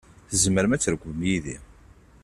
Tzemrem ad trekbem yid-i.